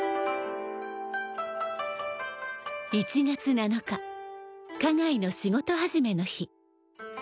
１月７日花街の仕事始めの日。